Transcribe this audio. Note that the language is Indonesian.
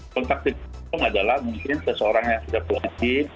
kontak tidak langsung adalah mungkin seseorang yang tidak positif